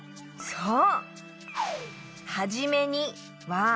そう！